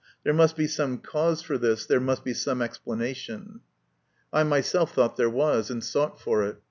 There must be some cause for this, there must be some explanation." 136 MY CONFESSION. I myself thought there was, and sought for it.